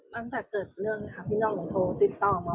ตั้งแต่เกิดเรื่องค่ะพี่น้องหนูโทรติดต่อมา